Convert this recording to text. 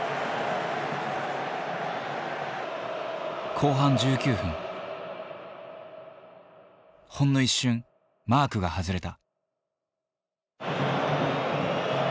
後半１９分ほんの一瞬マークが外れた。